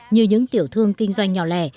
như những tiểu thương kinh doanh nhỏ lẻ